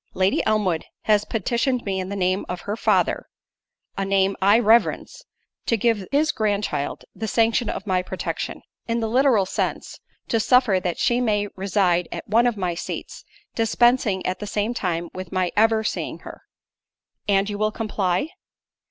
Lady Elmwood has petitioned me in the name of her father, (a name I reverence) to give his grandchild the sanction of my protection. In the literal sense, to suffer that she may reside at one of my seats; dispensing at the same time with my ever seeing her." "And you will comply?"